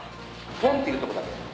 ポンっていうとこだけ？